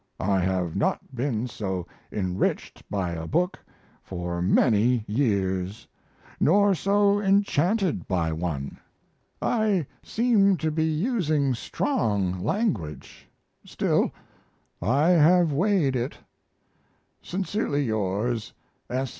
I have not been so enriched by a book for many years, nor so enchanted by one. I seem to be using strong language; still, I have weighed it. Sincerely yours, S.